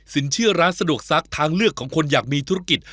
เชื่อร้านสะดวกซักทางเลือกของคนอยากมีธุรกิจ